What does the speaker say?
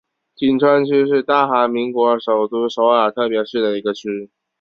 衿川区是大韩民国首都首尔特别市的一个区。